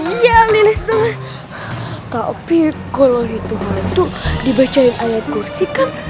iya nelis tapi kalau itu hal itu dibacain ayat kursi kan